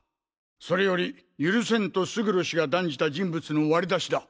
それより許せんと勝呂氏が断じた人物の割り出しだ。